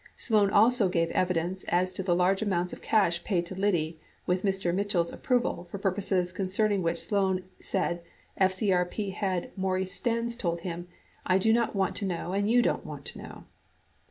Sloan also gave evidence as to the large amounts of cash paid to Liddy with Mr. Mitch ell's approval for purposes concerning which Sloan said FCRP head Maurice Stans told him "I do not want to know and you don't want to know."